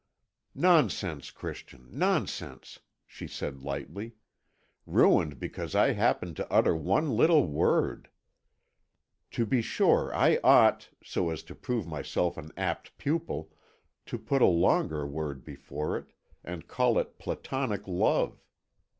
"Nonsense, Christian, nonsense," she said lightly; "ruined because I happened to utter one little word! To be sure I ought, so as to prove myself an apt pupil, to put a longer word before it, and call it platonic love.